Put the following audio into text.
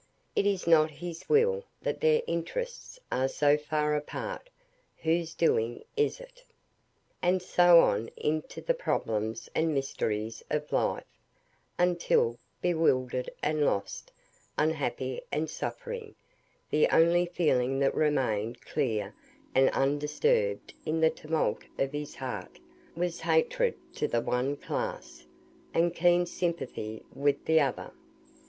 It is not His will, that their interests are so far apart. Whose doing is it? And so on into the problems and mysteries of life, until, bewildered and lost, unhappy and suffering, the only feeling that remained clear and undisturbed in the tumult of his heart, was hatred to the one class and keen sympathy with the other.